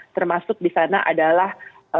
termasuk di sana adalah